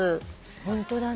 ホントだね。